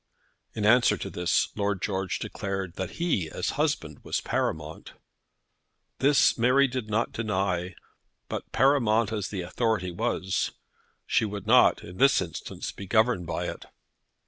In answer to this, Lord George declared that he, as husband, was paramount. This Mary did not deny, but, paramount as the authority was, she would not, in this instance, be governed by it.